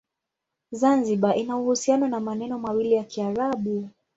Zanzibar ina uhusiano na maneno mawili ya Kiarabu.